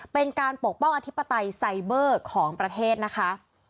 เป็นการปกป้องอธิบัติไซเบอร์ของประเทศนะคะ